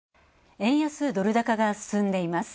円安・ドル高が進んでいます。